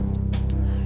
mas benar tapi